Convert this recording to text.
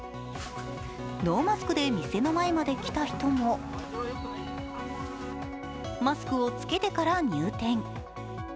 ノーマスクで店の前まで来た人もマスクを着けてから入店。